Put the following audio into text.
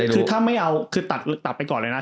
คือถ้าไม่เอาคือตัดไปก่อนเลยนะ